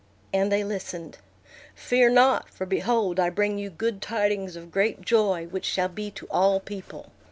And they listened. "Fear not: for behold, I bring you good tidings of great joy, which shall be to all people."